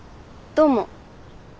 どうも。